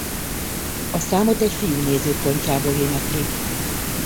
A számot egy fiú nézőpontjából éneklik.